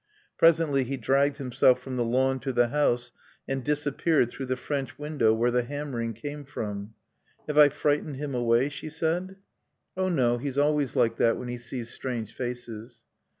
Presently he dragged himself from the lawn to the house and disappeared through the French window where the hammering came from. "Have I frightened him away?" she said. "Oh, no, he's always like that when he sees strange faces."